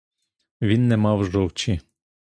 Він не мав жовчі!